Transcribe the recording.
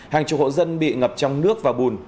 hàng chục hộ dân bị ngập trong nước và bùn